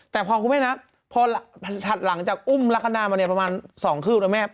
แต่พอคุณแม่นับพอถัดหลังจากอุ้มลักษณะมาเนี่ยประมาณ๒คืบนะแม่